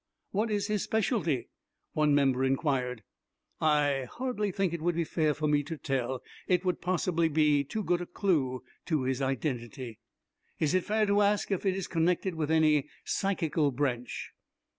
"What is his specialty?" one member inquired. "I hardly think it would be fair for me to tell. It would possibly be too good a clue to his identity." "Is it fair to ask if it is connected with any psychical branch?"